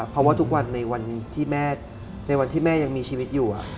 เพราะว่าทุกวันในวันที่แม่ในวันที่แม่ยังมีชีวิตอยู่